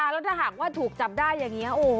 แล้วถ้าหากว่าถูกจับได้อย่างนี้